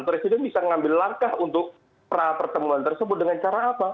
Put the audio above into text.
presiden bisa mengambil langkah untuk pertemuan tersebut dengan cara apa